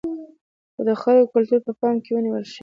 که د خلکو کلتور په پام کې ونیول شي.